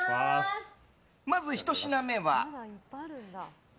まず、ひと品目は。